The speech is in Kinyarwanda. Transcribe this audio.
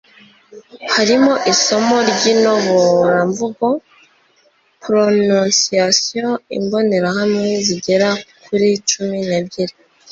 harimo isomo ry'inoboramvugo/pronunciation, imbonerahamwe zigera kuri cumi n'ebyiri